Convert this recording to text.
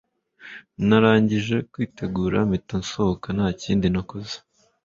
narangije kwitegura mpita nsohoka ntanikindi nkoze